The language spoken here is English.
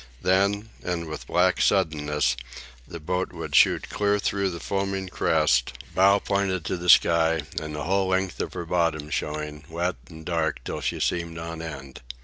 Then, and with black suddenness, the boat would shoot clear through the foaming crest, bow pointed to the sky, and the whole length of her bottom showing, wet and dark, till she seemed on end.